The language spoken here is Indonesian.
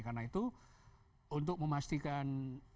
karena itu untuk memastikan